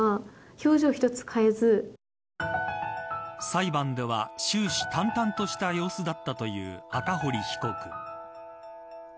裁判では、終始淡々とした様子だったという赤堀被告。